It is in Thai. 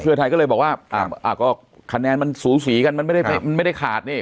เพื่อไทยก็เลยบอกว่าก็คะแนนมันสูสีกันมันไม่ได้ขาดนี่